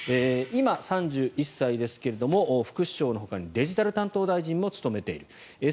今、３１歳ですが副首相のほかにデジタル担当大臣も務めている。